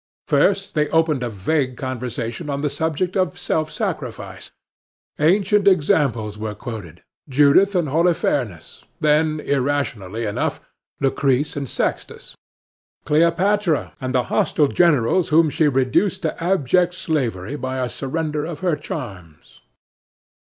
First they opened a vague conversation on the subject of self sacrifice. Ancient examples were quoted: Judith and Holofernes; then, irrationally enough, Lucrece and Sextus; Cleopatra and the hostile generals whom she reduced to abject slavery by a surrender of her charms.